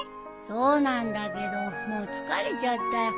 そうなんだけどもう疲れちゃったよ。